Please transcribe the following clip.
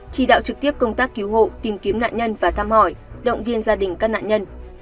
chỉ đạo trực tiếp công tác cứu hộ tìm kiếm nạn nhân và thăm hỏi động viên gia đình các nạn nhân